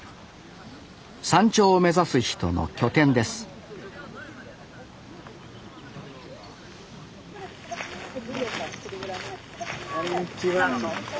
山頂を目指す人の拠点ですこんにちは。